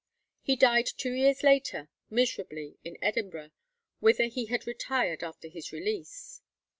He died two years later, miserably, in Edinburgh, whither he had retired after his release.